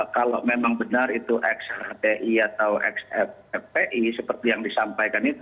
kalau memang benar itu x hti atau xfpi seperti yang disampaikan itu